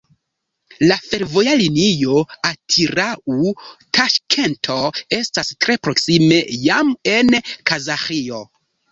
La fervoja linio Atirau-Taŝkento estas tre proksime jam en Kazaĥio.